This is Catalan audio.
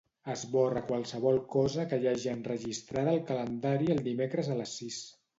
Esborra qualsevol cosa que hi hagi enregistrada al calendari el dimecres a les sis.